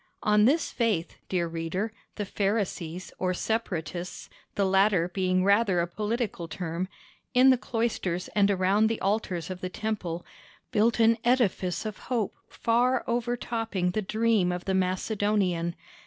On this faith, dear reader, the Pharisees or Separatists—the latter being rather a political term—in the cloisters and around the altars of the Temple, built an edifice of hope far overtopping the dream of the Macedonian.